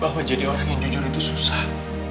bahwa jadi orang yang jujur itu susah